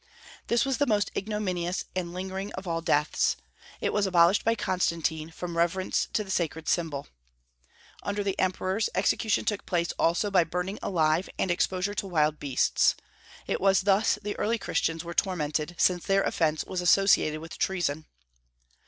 This was the most ignominious and lingering of all deaths; it was abolished by Constantine, from reverence to the sacred symbol. Under the emperors, execution took place also by burning alive and exposure to wild beasts; it was thus the early Christians were tormented, since their offence was associated with treason.